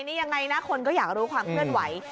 นี่ยังไงนะคนก็อยากรู้ความเคลื่อนไหว